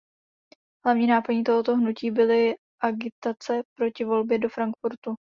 Hlavní náplní tohoto hnutí byly agitace proti volbě do Frankfurtu.